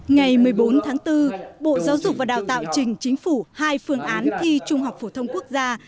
ngày một mươi bốn tháng bốn bộ giáo dục và đào tạo trình chính phủ hai phương án thi trung học phổ thông quốc gia